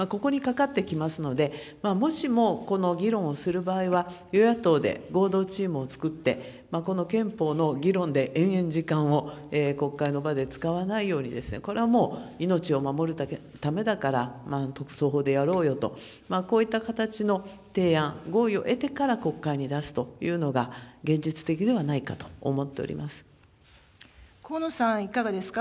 ここにかかってきますので、もしもこの議論をする場合は、与野党で合同チームを作って、この憲法の議論で延々時間を国会の場で使わないように、これはもう命を守るためだから特措法でやろうよと、こういった形の提案、合意を得てから国会に出すというのが、現実的ではないかと思って河野さん、いかがですか。